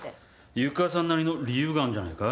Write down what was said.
湯川さんなりの理由があんじゃないか？